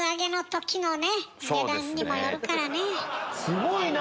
すごいな！